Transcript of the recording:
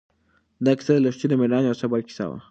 دا کیسه د لښتې د مېړانې او صبر کیسه وه.